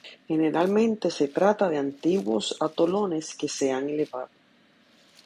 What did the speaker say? Generalmente se trata de antiguos atolones que se han elevado.